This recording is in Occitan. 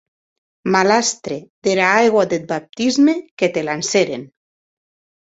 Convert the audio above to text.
Malastre dera aigua deth baptisme que te lancèren!